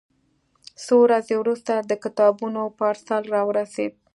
څو ورځې وروسته د کتابونو پارسل راورسېد.